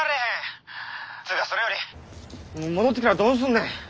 っつうかそれより戻ってきたらどうすんねん。